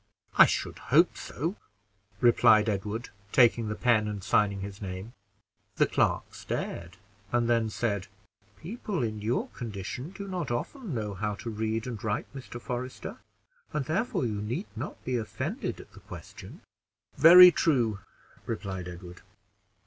"I should hope so," replied Edward, taking the pen and signing his name. The clerk stared, and then said "People in your condition do not often know how to read and write, Mr. Forester, and therefore you need not be offended at the question." "Very true," replied Edward.